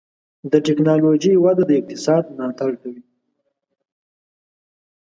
د ټکنالوجۍ وده د اقتصاد ملاتړ کوي.